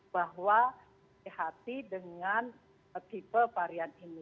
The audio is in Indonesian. bahwa hati hati dengan tipe varian ini